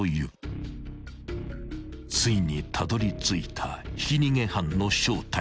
［ついにたどりついたひき逃げ犯の正体］